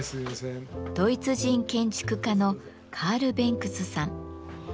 ドイツ人建築家のカール・ベンクスさん。